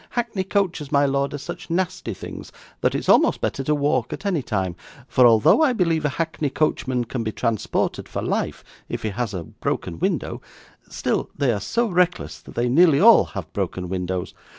Hackney coaches, my lord, are such nasty things, that it's almost better to walk at any time, for although I believe a hackney coachman can be transported for life, if he has a broken window, still they are so reckless, that they nearly all have broken windows.